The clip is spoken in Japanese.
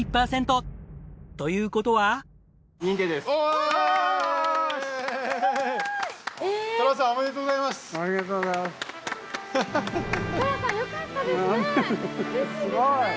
すごーい。